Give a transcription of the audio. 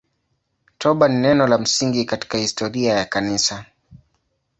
Toba ni neno la msingi katika historia ya Kanisa.